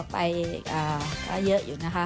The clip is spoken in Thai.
ไปก็เยอะอยู่นะคะ